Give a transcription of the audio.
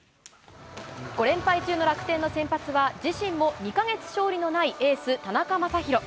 ５連敗中の楽天の先発は、自身も２か月勝利のないエース、田中将大。